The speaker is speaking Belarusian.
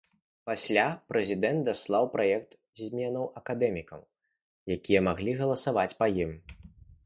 Пасля прэзідэнт даслаў праект зменаў акадэмікам, якія маглі галасаваць па ім.